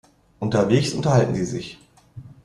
Unterwegs unterhalten sie sich.